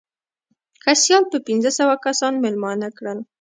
که سیال به پنځه سوه کسان مېلمانه کړل.